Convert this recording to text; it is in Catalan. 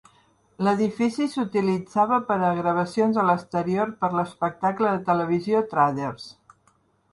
L'edifici s'utilitzava per a gravacions a l'exterior per a l'espectacle de televisió "Traders".